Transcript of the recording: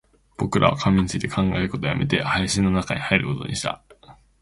僕らは紙について考えることを止めて、林の中に入ることにした